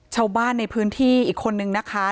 ชาวบ้านในพื้นที่อีกคนนึงนะคะ